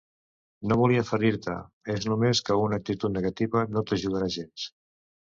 No volia ferir-te, és només que una actitud negativa no t'ajudarà gens.